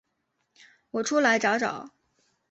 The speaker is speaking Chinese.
我出来找找